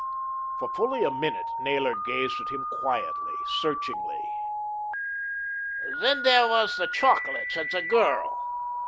For fully a minute Naylor gazed at him quietly, searchingly. "There was then the chocolates and the girl."